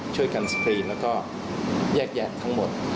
ช่วยกันสกรีนแล้วก็แยกแยะทั้งหมด